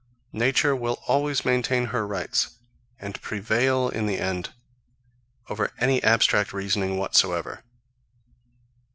Nature will always maintain her rights, and prevail in the end over any abstract reasoning whatsoever.